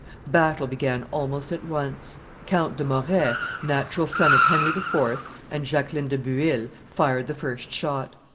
The battle began almost at once. Count de Moret, natural son of Henry IV. and Jacqueline de Bueil, fired the first shot.